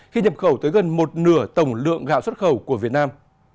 khi nhập khẩu tới gần một nửa tổng lượng gạo xuất khẩu của việt nam